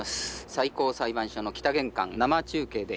最高裁判所の北玄関生中継で。